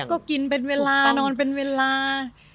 ก็กินเป็นเวลานอนเป็นเวลา